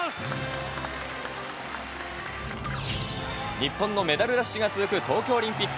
日本のメダルラッシュが続く東京オリンピック。